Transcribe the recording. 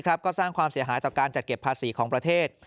ก็สร้างความเสียหายต่อการจัดเก็บภาษีของประเทศ